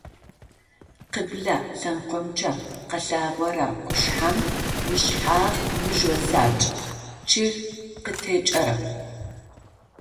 Къыблэ лъэныкъомкӏэ къэлъэгъорэ къушъхьэм ышъхьагъ мыжъо закӏ, чъыг къытекӏэрэп.